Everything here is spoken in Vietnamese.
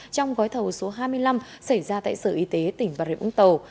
trong gói thầu số hai mươi năm xảy ra tại sở y tế tỉnh bà rịa úng tàu